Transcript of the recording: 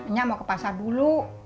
kayaknya mau ke pasar dulu